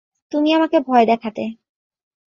তুমি আমাকে ভয় দেখাতে।